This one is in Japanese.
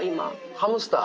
ハムスター。